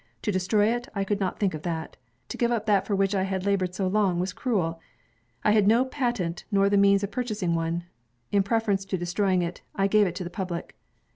To destroy it, I could not think of that; to give up that for which I had labored so long was cruel. I had no patent nor the means of purchasing one. In preference to destroying it, I gave it to the public."